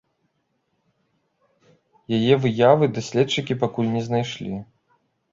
Яе выявы даследчыкі пакуль не знайшлі.